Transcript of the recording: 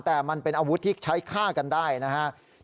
แต่มันเป็นอาวุธที่ใช้ฆ่ากันได้นะครับ